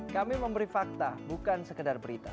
kami memberi fakta bukan sekedar berita